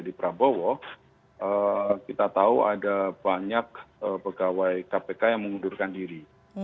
di prabowo kita tahu ada banyak pegawai kpk yang mengundurkan diri